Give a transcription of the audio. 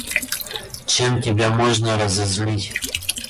Чем тебя можно разозлить?